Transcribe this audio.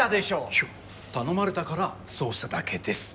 いや頼まれたからそうしただけです。